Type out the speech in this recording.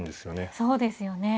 そうですよね。